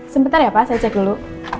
sebentar ya pak saya cek dulu